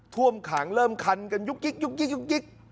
ท่วมขังเริ่มคันกันยุกกิ๊ก